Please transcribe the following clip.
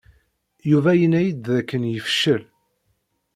Yuba yenna-iyi-d dakken yefcel.